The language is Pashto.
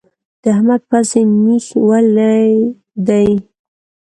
د احمد پزې نېښ ولی دی.